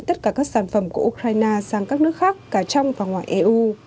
tất cả các sản phẩm của ukraine sang các nước khác cả trong và ngoài eu